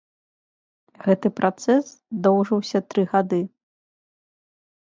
Гэты працэс доўжыўся тры гады.